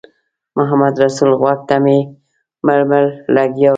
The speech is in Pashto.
محمدرسول غوږ ته مې مړ مړ لګیا دی.